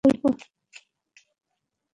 কী আর বলব!